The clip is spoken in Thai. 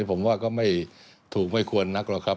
ผมว่าก็ไม่ถูกไม่ควรนักหรอกครับ